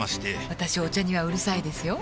私お茶にはうるさいですよ